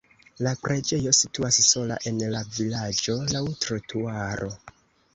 La preĝejo situas sola en la vilaĝo laŭ trotuaro.